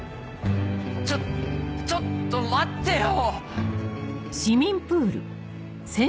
ちょちょっと待ってよ。